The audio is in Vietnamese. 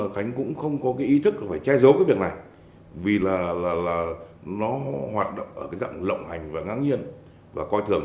khánh mạnh kinh doanh vũ trường